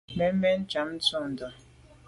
Mbèn mbèn njam ntsho ndà.